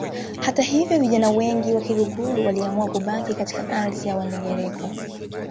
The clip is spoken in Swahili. Hata hivyo vijana wengi wa Kiluguru waliamua kubaki katika ardhi ya Wandengereko